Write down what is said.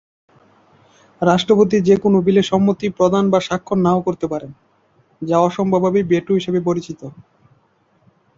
রাষ্ট্রপতি যে-কোন বিলে সম্মতি প্রদান বা স্বাক্ষর না-ও করতে পারেন যা অবশ্যম্ভাবী ভেটো হিসেবে পরিচিত।